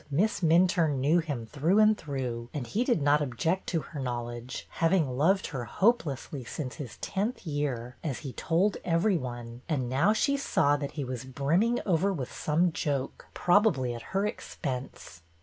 Miss Minturne knew him through and through, and he did not object to her knowledge, having loved her hope lessly since his tenth year, as he told every one, and now she saw that he was brimming over with some joke, probably at her expense.